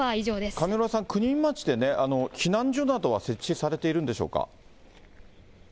上村さん、国見町でね、避難所などは設置されているんでしょうか。